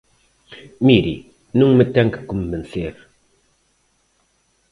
Mire, non me ten que convencer.